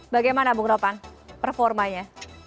bagaimana bu ropan performanya